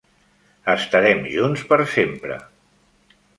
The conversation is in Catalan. Estarem junts per sempre.